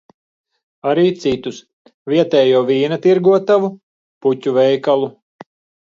Arī citus – vietējo vīna tirgotavu, puķu veikalu.